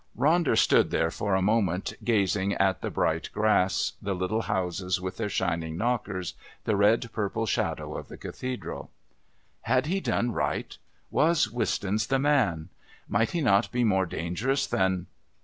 Ronder stood there for a moment gazing at the bright grass, the little houses with their shining knockers, the purple shadow of the Cathedral. Had he done right? Was Wistons the man? Might he not be more dangerous than...?